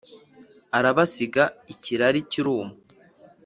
arabasiga ikirari kiruma